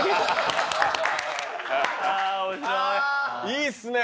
いいっすね。